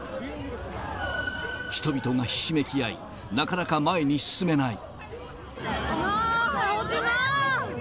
人々がひしめき合い、なかなか前に進めない。